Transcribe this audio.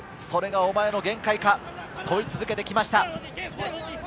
「それが、お前の限界か」、問い続けてきました。